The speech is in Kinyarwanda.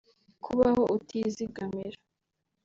Kubaho utizigamira